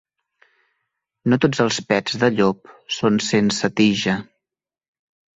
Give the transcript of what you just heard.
No tots els pets de llop són sense tija.